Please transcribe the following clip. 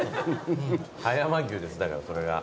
葉山牛ですだからそれが。